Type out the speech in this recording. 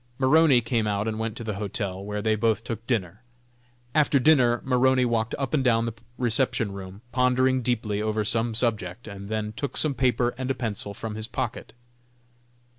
Maroney came out and went to the hotel, where they both took dinner. After dinner Maroney walked up and down the reception room, pondering deeply over some subject, and then took some paper and a pencil from his pocket.